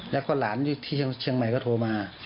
แล้วก็หลานอยู่ที่เชียงใหม่ก็โทรมา